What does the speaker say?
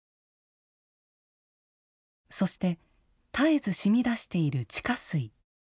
そして絶えず、しみ出している地下水。